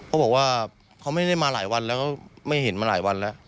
เขาบอกว่าเขาไม่ได้มาหลายวันแล้วก็ไม่เห็นมาหลายวันแล้ว